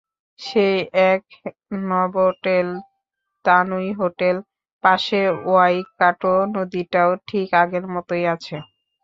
সেই একই নভোটেল তানুই হোটেল, পাশে ওয়াইকাটো নদীটাও ঠিক আগের মতোই আছে।